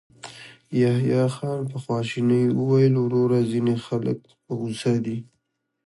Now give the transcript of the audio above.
يحيی خان په خواشينۍ وويل: وروره، ځينې خلک په غوسه دي.